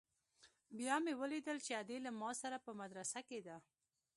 بيا مې وليدل چې ادې له ما سره په مدرسه کښې ده.